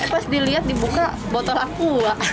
pas dilihat dibuka botol aku